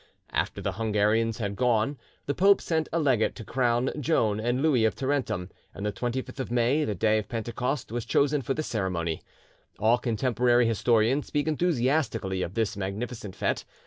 After the Hungarians had gone, the pope sent a legate to crown Joan and Louis of Tarentum, and the 25th of May, the day of Pentecost, was chosen for the ceremony. All contemporary historians speak enthusiastically of this magnificent fete.